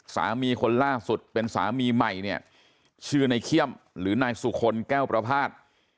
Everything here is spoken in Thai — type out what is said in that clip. คนล่าสุดเป็นสามีใหม่เนี่ยชื่อในเขี้ยมหรือนายสุคลแก้วประพาท